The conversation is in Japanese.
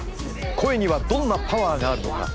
声にはどんなパワーがあるのか？